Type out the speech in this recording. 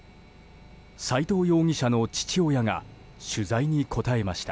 斎藤容疑者の父親が取材に応えました。